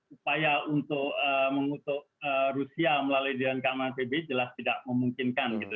upaya untuk mengutuk rusia melalui diri dengan kma pb jelas tidak memungkinkan gitu